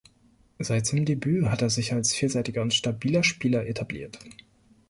Seit seinem Debüt hat er sich als vielseitiger und stabiler Spieler etabliert.